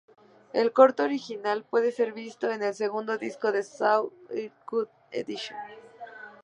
El corto original puede ser visto en el segundo disco de "Saw: Uncut Edition".